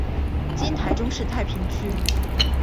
今台中市太平区。